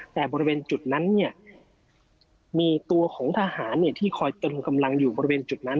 แต่บริเวณจุดนั้นเนี่ยมีตัวของทหารที่คอยตรึงกำลังอยู่บริเวณจุดนั้น